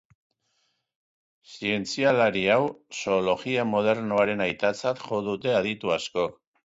Zientzialari hau zoologia modernoaren aitatzat jo dute aditu askok.